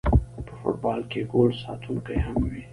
په فوټبال کې ګول ساتونکی هم وي